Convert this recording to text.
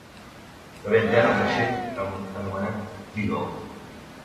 Va viatjar en un vaixell anomenat Beagle.